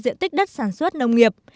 diện tích đất sản xuất nông nghiệp